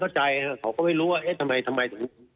เขาก็ไม่รู้ว่าทำไม